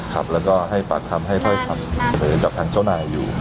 ครับแล้วก็ให้ปากคำให้พ่อยคำแบบทางเจ้านายอยู่